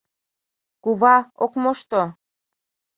— Кува ок мошто.